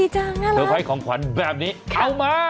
เซอร์ไพรส์ของขวัญแบบนี้เอามา